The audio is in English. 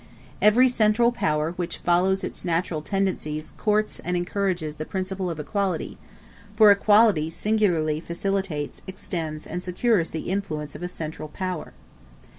Every central power which follows its natural tendencies courts and encourages the principle of equality; for equality singularly facilitates, extends, and secures the influence of a central power.